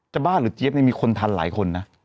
บ้าหรือเจี๊ยบนี่มีคนทันหลายคนนะ